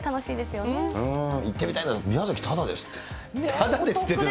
行ってみたいな、宮崎、ただですって。